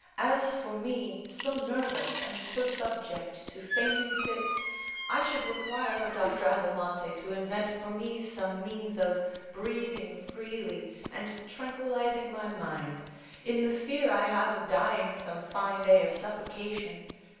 "As for me, so nervous, and so subject to fainting fits, I should require a Doctor Adelmonte to invent for me some means of breathing freely and tranquillizing my mind, in the fear I have of dying some fine day of suffocation.